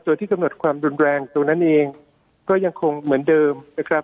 โดยที่กำหนดความรุนแรงตัวนั้นเองก็ยังคงเหมือนเดิมนะครับ